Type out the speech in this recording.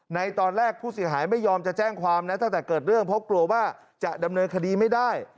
ในตอนแรกผู้เสียหายไม่ยอมจะแจ้งความนะตั้งแต่เกิดเรื่องเพราะกลัวว่าจะดำเนินคดีไม่ได้